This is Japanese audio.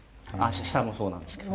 舌もそうなんですけど。